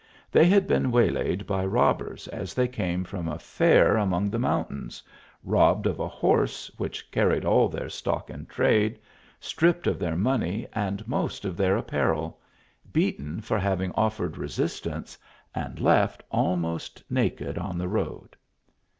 They had been waylaid by robbers as they came from a fair among the mountains, robbed of a horse, which carried all their stock in trade, stripped of their money and most of their apparel, beaten for having offered resistance, and left almost naked in th i road.